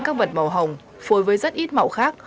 các vật màu hồng phối với rất ít màu khác